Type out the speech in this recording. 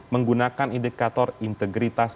menggunakan indikator integritas